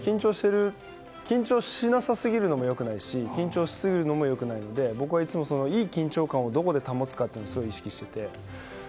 緊張しなさすぎるのもよくないし緊張しすぎるのも良くないので僕はいつもいい緊張感をどこで保つかというのをすごく意識していて。